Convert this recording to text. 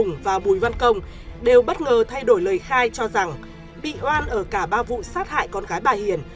ông và bùi văn công đều bất ngờ thay đổi lời khai cho rằng bị oan ở cả ba vụ sát hại con gái bà hiền